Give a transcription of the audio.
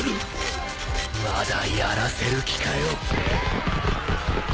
まだやらせる気かよ。